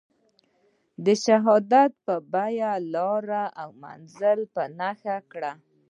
د شهادت په بیه لار او منزل په نښه کړ.